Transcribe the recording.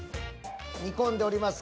煮込んでおります。